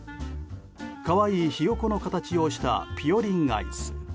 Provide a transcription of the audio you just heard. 可愛いヒヨコの形をしたぴよりんアイス。